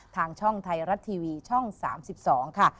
ทางช่องไทยรัฐทีวีช่อง๓๒ค่ะ